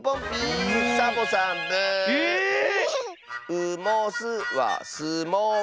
「う・も・す」は「す・も・う」。